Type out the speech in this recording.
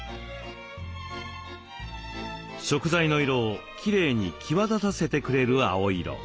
食材の色をきれいに際立たせてくれる青色。